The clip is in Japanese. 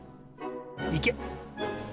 いけ！